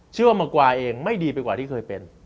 เชื่อว่ามากว่าเองไม่ดีไปกว่าที่เคยเป็น